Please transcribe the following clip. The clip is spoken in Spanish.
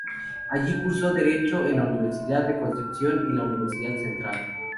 Allí cursó Derecho en la Universidad de Concepción y en la Universidad Central.